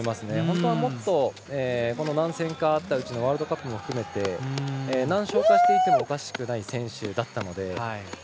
本当はもっと何戦かあったうちのワールドカップも含めて何勝かしていてもおかしくない選手だったので。